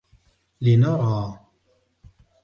لنرى.